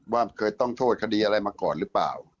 ว่าเคยต้องโทษคดีอะไรมาก่อนหรือเปล่า